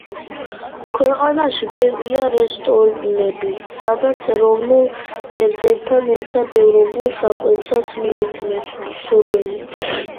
ქვეყანაში ბევრია რესტორნები, სადაც ეროვნულ კერძებთან ერთად, ევროპულ საკვებსაც მიირთმევს მსურველი.